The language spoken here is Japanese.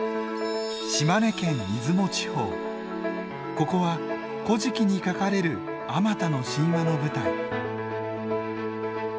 ここは「古事記」に書かれるあまたの神話の舞台。